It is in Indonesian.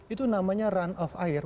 itu namanya run of air